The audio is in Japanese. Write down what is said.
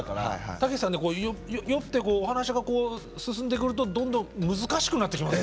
武史さんね酔ってお話が進んでくるとどんどん難しくなってきます。